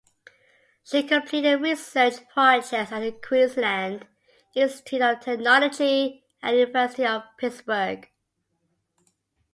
She completed research projects at the Queensland Institute of Technology and University of Pittsburgh.